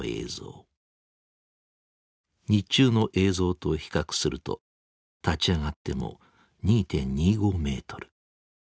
日中の映像と比較すると立ち上がっても２．２５メートル。